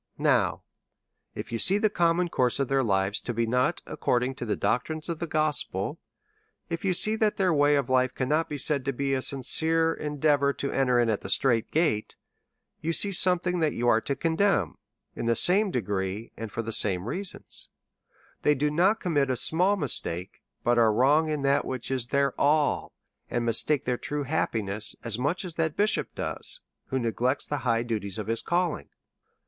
Now, if you ob serve tlie common course of their lives to be not ac cording to the doctrines of the gospel, if you see that their way of life cannot be said to be a sincere endea vour to Gwter in at tiie strait gate, you see something DEVOUT AND HOLY LIFE. 115 that you are to condemn in the same degree, and for the same reasons. They do not commit a small mis take, but are wrong in that which is their all, and mis take their true happiness as much as that bishop who neglects the high duties of his calling.